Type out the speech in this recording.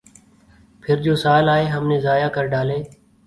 پھر جو سال آئے ہم نے ضائع کر ڈالے۔